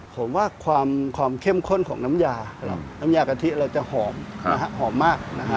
ผมว่าความเข้มคตของน้ำยากะทิเราจะหอมหอมมาก